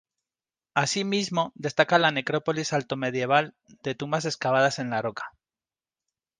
Asimismo, destaca la necrópolis altomedieval de tumbas excavadas en la roca.